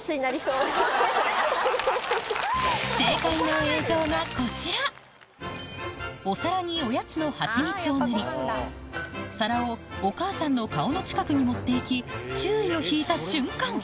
正解の映像がこちらお皿におやつのハチミツを塗り皿をお母さんの顔の近くに持っていき注意を引いた瞬間！